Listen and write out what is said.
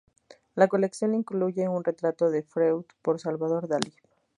La colección incluye un retrato de Freud por Salvador Dalí.